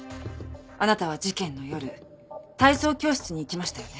あなたは事件の夜体操教室に行きましたよね？